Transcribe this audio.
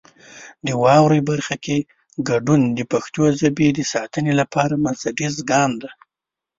د واورئ برخه کې ګډون د پښتو ژبې د ساتنې لپاره بنسټیز ګام دی.